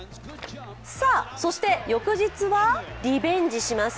そして翌日はリベンジします。